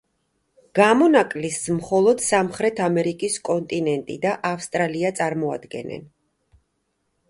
გამონაკლისს მხოლოდ სამრეთ ამერიკის კონტინენტი და ავსტრალია წარმოადგენენ.